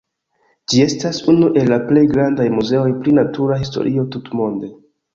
Ĝi estas unu el la plej grandaj muzeoj pri natura historio tutmonde.